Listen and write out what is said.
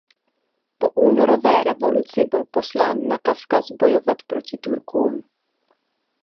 Po Únorové revoluci byl poslán na Kavkaz bojovat proti Turkům.